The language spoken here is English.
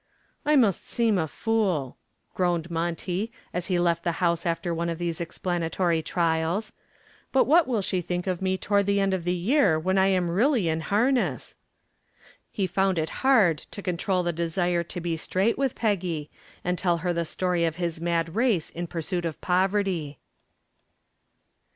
"I must seem a fool," groaned Monty, as he left the house after one of these explanatory trials, "but what will she think of me toward the end of the year when I am really in harness?" He found it hard to control the desire to be straight with Peggy and tell her the story of his mad race in pursuit of poverty.